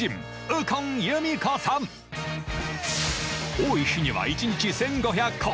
多い日には１日１，５００個。